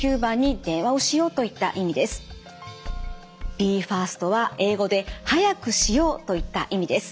ＢＥＦＡＳＴは英語で「早くしよう」といった意味です。